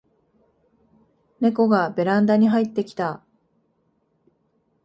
ネコがベランダに入ってきた